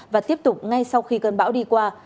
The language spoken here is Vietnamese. và tiếp tục ngay sau khi cơn bão đi qua